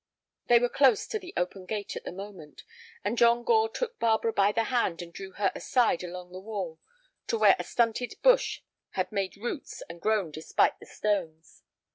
They were close to the open gate at the moment, and John Gore took Barbara by the hand and drew her aside along the wall to where a stunted bush had made roots and grown despite the stones.